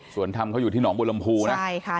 ส่วนธรรมเขาอยู่ที่หนองบุรมภูนะใช่ค่ะ